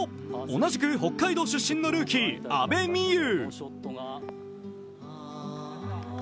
同じく北海道出身のルーキー・阿部未悠。